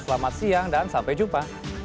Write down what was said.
selamat siang dan sampai jumpa